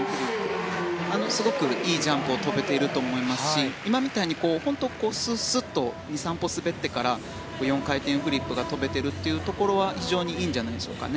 すごくいいジャンプを跳べていると思いますし今みたいにすっと２、３歩滑ってから４回転フリップが跳べてるというところは非常にいいんじゃないでしょうか。